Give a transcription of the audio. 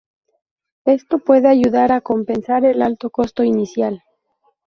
Esto puede ayudar a compensar el alto costo inicial.